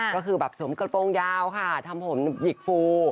ก็คือแบบสวมกระโปรงยาวค่ะทำผมหยิกฟู